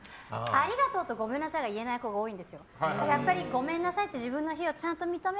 ありがとうとごめんなさいが言えない子供が多いの。